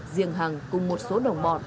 riêng hàng cùng một số đồng bọn